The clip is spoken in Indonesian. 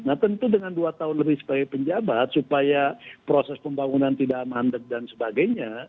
nah tentu dengan dua tahun lebih sebagai penjabat supaya proses pembangunan tidak mandek dan sebagainya